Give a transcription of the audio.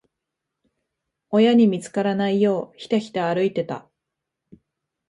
親に見つからないよう、ひたひた歩いてた。